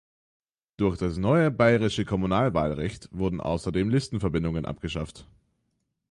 Durch das neue bayerische Kommunalwahlrecht wurden außerdem Listenverbindungen abgeschafft.